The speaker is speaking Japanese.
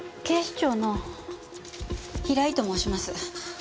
警視庁の平井と申します。